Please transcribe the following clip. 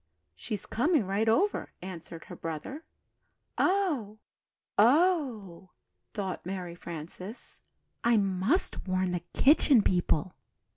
"She's coming right over," answered her brother. "Oh, oh!" thought Mary Frances, "I must warn the Kitchen People."